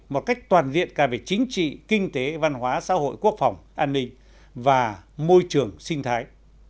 một cách toàn diện cả về chính trị kinh tế văn hóa xã hội quốc phòng an ninh và môi trường sinh thái